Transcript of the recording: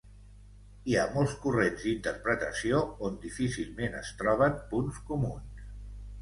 Hi ha molts corrents d'interpretació on difícilment es troben punts comuns.